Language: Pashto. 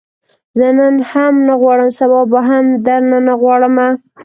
زه نن هم نه غواړم، سبا هم درنه نه غواړمه